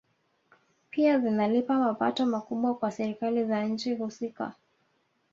Pia zinalipa mapato makubwa kwa Serikali za nchi husika